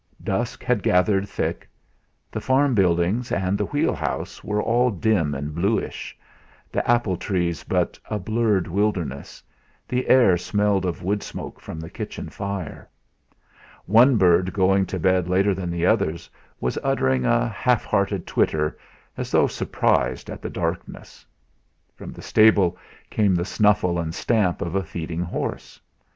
Dusk had gathered thick. The farm buildings and the wheel house were all dim and bluish, the apple trees but a blurred wilderness; the air smelled of woodsmoke from the kitchen fire. One bird going to bed later than the others was uttering a half hearted twitter, as though surprised at the darkness. From the stable came the snuffle and stamp of a feeding horse.